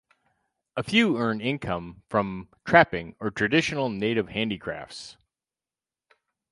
A few earn income from trapping or traditional Native handicrafts.